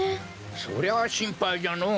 そりゃしんぱいじゃのお。